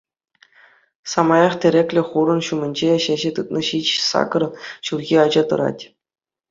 Самаях тӗреклӗ хурӑн ҫумӗнче çĕçĕ тытнӑ ҫич-сакӑр ҫулхи ача тӑрать.